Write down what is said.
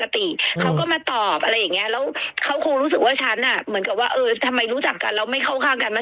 ทำไมรู้จักกันแล้วไม่เข้าข้างกันมา